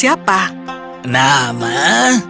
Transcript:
kita akan memberi nama siapa